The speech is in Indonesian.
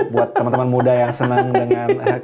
buat temen temen muda yang senang dengan kemewahan